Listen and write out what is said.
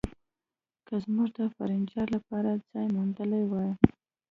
که موږ د فرنیچر لپاره ځای موندلی وای